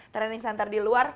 training center di luar